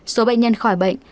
số bệnh nhân khỏi bệnh